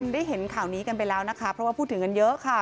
ได้เห็นข่าวนี้กันไปแล้วนะคะเพราะว่าพูดถึงกันเยอะค่ะ